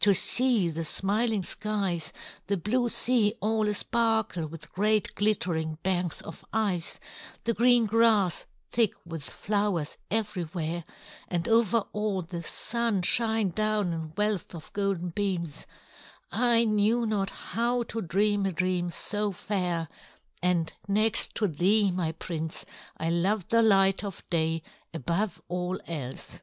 "To see the smiling skies, the blue sea all a sparkle with great glittering banks of ice, the green grass thick with flowers everywhere, and over all the Sun shine down in wealth of golden beams I knew not how to dream a dream so fair; and next to thee, my prince, I love the light of day above all else."